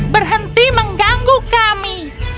berhenti mengganggu kami